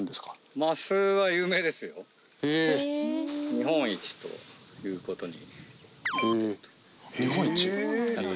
日本一ということに。